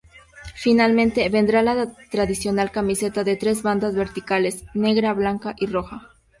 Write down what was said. Finalmente vendrá la tradicional camiseta de tres bandas verticales: negra, blanca y roja.